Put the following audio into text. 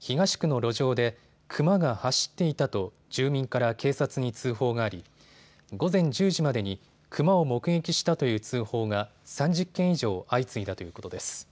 東区の路上でクマが走っていたと住民から警察に通報があり、午前１０時までにクマを目撃したという通報が３０件以上相次いだということです。